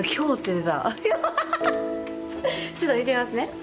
ちょっと見てみますね。